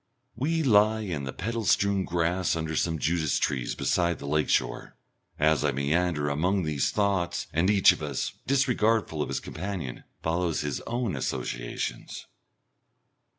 We lie in the petal strewn grass under some Judas trees beside the lake shore, as I meander among these thoughts, and each of us, disregardful of his companion, follows his own associations.